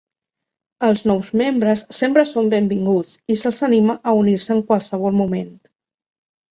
Els nous membres sempre són benvinguts i se'ls anima a unir-se en qualsevol moment.